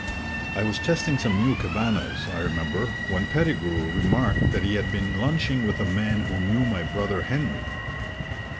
I was testing some new Cabanas, I remember, when Pettigrew remarked that he had been lunching with a man who knew my brother Henry.